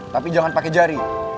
tapi jangan pake jari